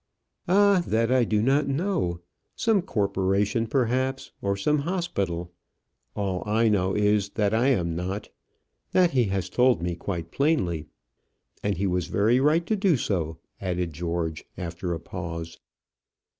"Ah, that I do not know. Some corporation, perhaps, or some hospital. All I know is, that I am not. That he has told me quite plainly. And he was very right to do so," added George, after a pause.